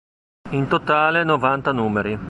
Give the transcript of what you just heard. In totale novanta numeri.